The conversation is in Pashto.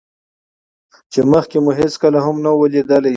چې مخکې مو هېڅکله هم نه وو ليدلى.